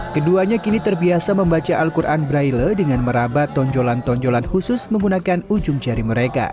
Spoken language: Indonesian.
keduanya kini terbiasa membaca al quran braille dengan merabat tonjolan tonjolan khusus menggunakan ujung jari mereka